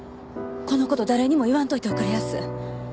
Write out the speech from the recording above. このこと誰にも言わんといておくれやす。